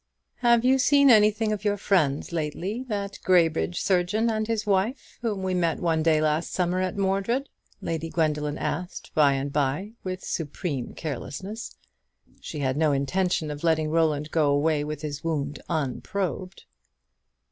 "Have you seen anything of your friends lately that Graybridge surgeon and his wife, whom we met one day last summer at Mordred?" Lady Gwendoline asked by and by, with supreme carelessness. She had no intention of letting Roland go away with his wound unprobed.